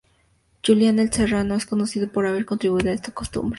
Julián El Serrano es conocido por haber contribuido a esta costumbre.